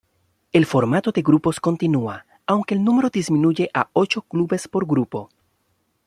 El formato de grupos continúa, aunque el número disminuye a ocho clubes por grupo.